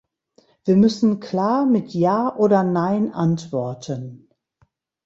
Wir müssen klar mit "ja" oder "nein" antworten.